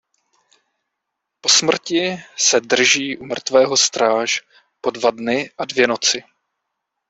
Po smrti se drží u mrtvého stráž po dva dny a dvě noci.